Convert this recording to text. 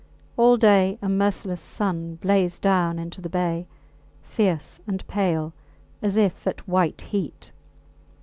All day a merciless sun blazed down into the bay, fierce and pale, as if at white heat.